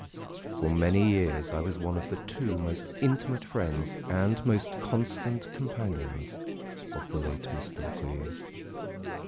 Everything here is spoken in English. For many years I was one of the two most intimate friends and most constant companions of the late Mr. Maclise.